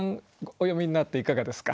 お読みになっていかがですか？